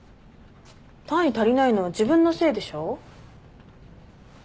単位足りないのは自分のせいでしょ。